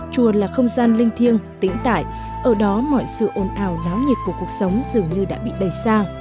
chùa là không gian linh thiêng tĩnh tải ở đó mọi sự ồn ào láo nhiệt của cuộc sống dường như đã bị đầy xa